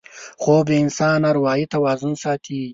خوب د انسان اروايي توازن ساتي